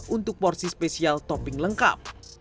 untuk porsi spesial topping lengkap